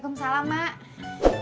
kau salam emak kagak di jawa